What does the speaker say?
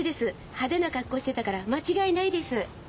派手な格好してたから間違いないです。